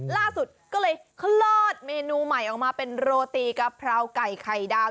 ล่าสุดก็เลยคลอดเมนูใหม่ออกมาเป็นโรตีกะเพราไก่ไข่ดาว